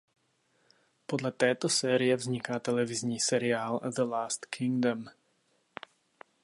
Podle této série vzniká televizní seriál "The Last Kingdom".